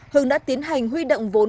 hường đã tiến hành huy động vô dụng